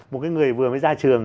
một người vừa mới ra trường